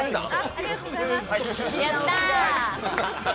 ありがとうございます、やったー。